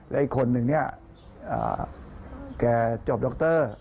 และอีกคนหนึ่งแกจบดร